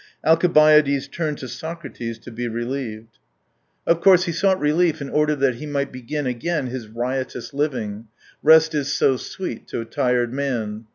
Alcibiades turned to Socrates to be relieved. Of 43 course, he sought relief in order that he might begin again his riotous living : rest is so sweet to a tired man.